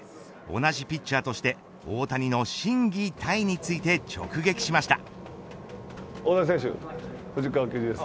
同じピッチャーとして大谷の心技体について直撃しました。